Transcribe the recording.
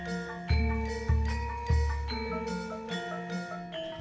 mereka adalah pembawa dan pengiring pusaka bersiap di sekitar keraton